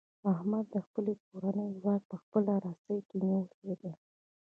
احمد د خپلې کورنۍ واک په خپله رسۍ کې نیولی دی.